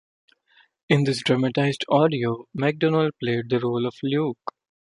In this dramatized audio, McDonald played the role of Luke.